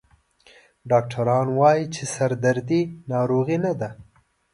ډاکټران وایي چې سردردي ناروغي نه ده.